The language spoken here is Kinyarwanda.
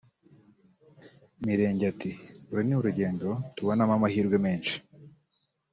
Mirenge ati “Uru ni urugendo tubonamo amahirwe menshi